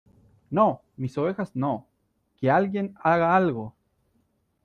¡ No , mis ovejas no !¡ que alguien haga algo !